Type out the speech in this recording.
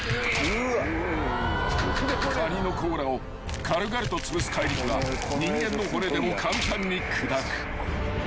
［カニの甲羅を軽々とつぶす怪力は人間の骨でも簡単に砕く］